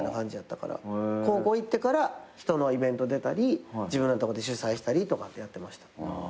高校行ってから人のイベント出たり自分らのとこで主催したりとかやってました。